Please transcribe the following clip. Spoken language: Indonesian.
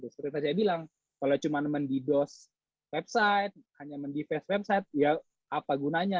seperti yang saya bilang kalau cuma mendidos website hanya mendiface website ya apa gunanya